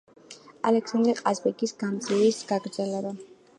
ალექსანდრე ყაზბეგის გამზირის გაგრძელება.